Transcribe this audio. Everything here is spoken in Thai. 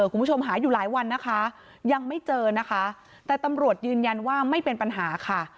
คุณผู้ชมหาอยู่หลายวันนะคะยังไม่เจอนะคะแต่ตำรวจยืนยันว่าไม่เป็นปัญหาค่ะ